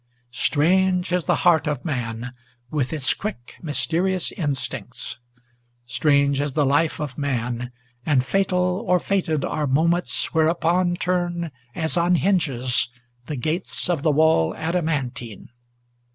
Strange is the heart of man, with its quick, mysterious instincts! Strange is the life of man, and fatal or fated are moments, Whereupon turn, as on hinges, the gates of the wall adamantine!